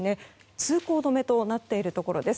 通行止めとなっているところです。